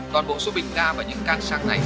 toàn bộ số bình ga và những can sang này